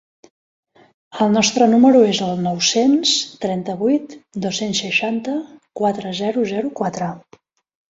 El nostre número és el nou-cents trenta-vuit dos-cents seixanta-quatre zero zero quatre.